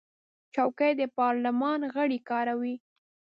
چوکۍ د پارلمان غړي کاروي.